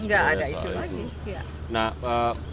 nggak ada isu lagi